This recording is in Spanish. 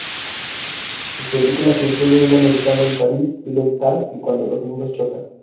Sus películas incluyen: "Un americano en París", "Pillow Talk" y "Cuando los mundos chocan".